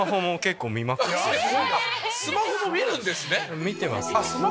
スマホも見るんですね！